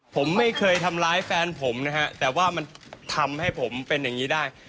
ผมไม่เคยทำร้ายแฟนผมนะฮะแต่ว่ามันทำให้ผมเป็นอย่างนี้ได้